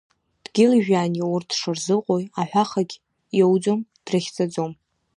Дгьыли-жәҩани, урҭ дшырзыҟои, аҳәахагь иоуӡом, дрыхьӡаӡом.